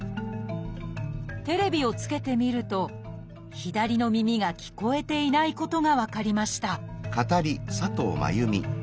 テレビをつけてみると左の耳が聞こえていないことが分かりました